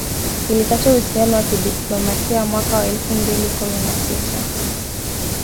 ilikata uhusiano wa kidiplomasia mwaka elfu mbili kumi na sita